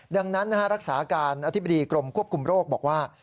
ดังนั้นรักษาการอธิบดีกรมควบคุมโรคบอกว่า